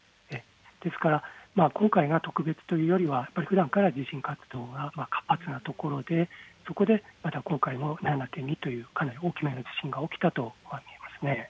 ですから今回、特別というよりはふだんから地震活動が活発なところで、そこでまた今回も７．２というかなり大きな地震が起きたと見えます。